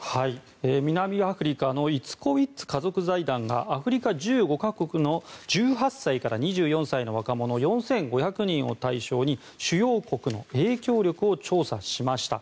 南アフリカのイツコウィッツ家族財団がアフリカ１５か国の１８歳から２４歳の若者４５００人を対象に主要国の影響力を調査しました。